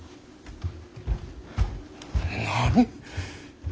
何。